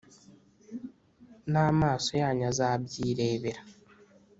N’amaso yanyu azabyirebera